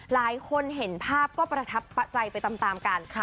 หลายคนเห็นภาพก็ประทับใจไปตามกัน